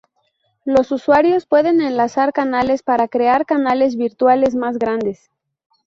Los usuarios pueden enlazar canales para crear canales virtuales más grandes.